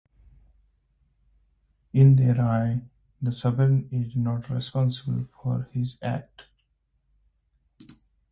In their eyes, the sovereign is not responsible for his acts.